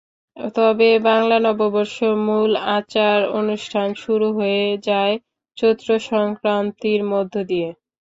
তবে বাংলা নববর্ষের মূল আচার অনুষ্ঠান শুরু হয়ে যায় চৈত্রসংক্রান্তির মধ্য দিয়ে।